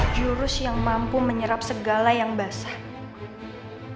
jurus yang mampu menyerap segala yang basah